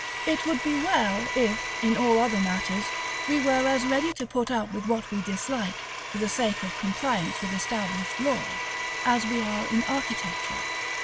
It would be well, if, in all other matters, we were as ready to put up with what we dislike, for the sake of compliance with established law, as we are in architecture.